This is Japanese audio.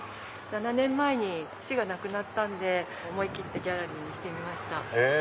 ７年前に父が亡くなったんで思い切ってギャラリーにしてみました。